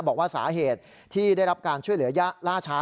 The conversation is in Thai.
บอกว่าสาเหตุที่ได้รับการช่วยเหลือล่าชา